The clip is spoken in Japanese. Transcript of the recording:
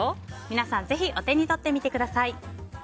皆さんぜひお手に取ってみてください。